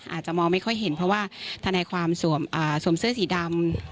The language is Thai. อาจจะมองไม่ค่อยเห็นเพราะว่าทนายความสวมเสื้อสีดำ